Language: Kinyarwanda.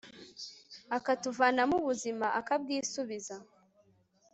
akatuvanamo ubuzima akabwisubiza